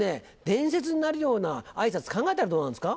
伝説になるような挨拶考えたらどうなんですか？